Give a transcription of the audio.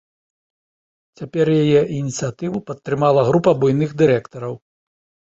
Цяпер яе ініцыятыву падтрымала група буйных дырэктараў.